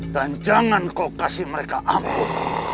dan jangan kau kasih mereka ampun